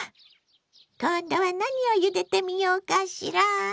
今度は何をゆでてみようかしら。